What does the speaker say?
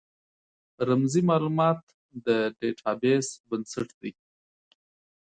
رمزي مالومات د ډیټا بیس بنسټ دی.